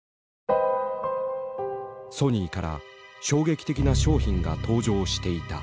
ソニーから衝撃的な商品が登場していた。